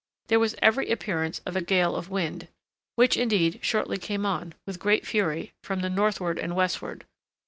There was every appearance of a gale of wind, which, indeed, shortly came on, with great fury, from the northward and westward.